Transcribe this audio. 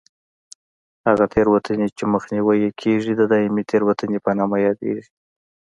هغه تېروتنې چې مخنیوی یې کېږي د دایمي تېروتنې په نامه یادېږي.